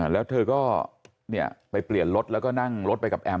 แล้วเธอก็ไปเปลี่ยนรถแล้วก็นั่งรถไปกับแอม